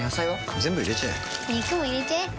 全部入れちゃえ肉も入れちゃえ